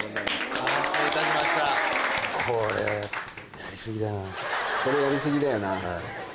これやり過ぎだよな。